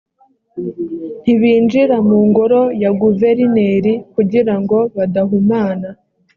ntibinjira mu ngoro ya guverineri kugira ngo badahumana